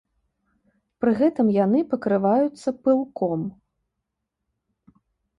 Пры гэтым яны пакрываюцца пылком.